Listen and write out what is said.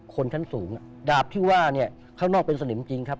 ชั้นสูงดาบที่ว่าเนี่ยข้างนอกเป็นสนิมจริงครับ